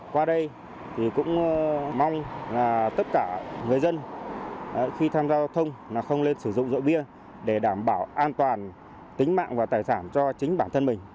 qua đây thì cũng mong là tất cả người dân khi tham gia giao thông là không nên sử dụng rượu bia để đảm bảo an toàn tính mạng và tài sản cho chính bản thân mình